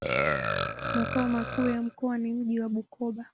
Makao makuu ya mkoa ni mji wa Bukoba.